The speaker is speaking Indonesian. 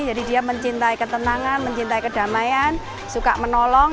jadi dia mencintai ketenangan mencintai kedamaian suka menolong